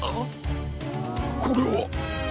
これは。